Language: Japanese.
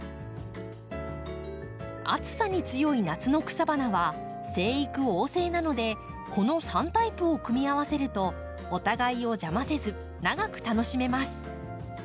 暑さに強い夏の草花は生育旺盛なのでこの３タイプを組み合わせるとお互いを邪魔せず長く楽しめます。